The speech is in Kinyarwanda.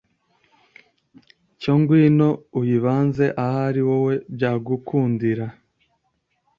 Cyo ngwino uyibanze ahari wowe byagukundira